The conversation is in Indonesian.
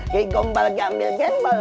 kikombal gambol gembol